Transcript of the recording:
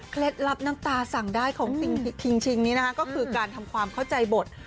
เคล็ดลับน้ำตาสั่งใดของชิงนี่นะคะคือการทำความเข้าใจบท